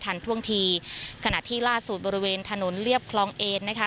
ท่วงทีขณะที่ล่าสุดบริเวณถนนเรียบคลองเอนนะคะ